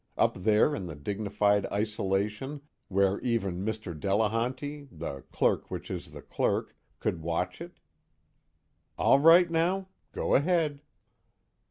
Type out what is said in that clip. up there in the dignified isolation where even Mr. Delehanty, the Clerk which is the Clerk, couldn't watch it. _All right now? Go ahead!